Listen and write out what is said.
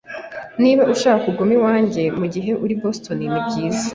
Niba ushaka kuguma iwanjye mugihe uri i Boston, nibyiza.